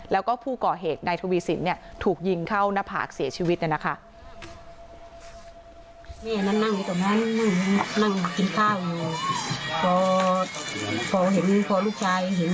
แล้วก็ผู้ก่อเหตุนายทวีสินเนี่ยถูกยิงเข้าหน้าผากเสียชีวิตเนี่ยนะคะ